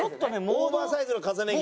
オーバーサイズの重ね着。